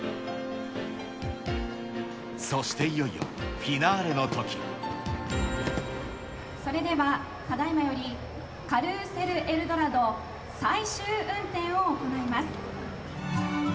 そしていよいよ、フィナーレのとそれではただいまより、カルーセルエルドラド、最終運転を行います。